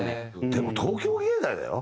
でも東京藝大だよ？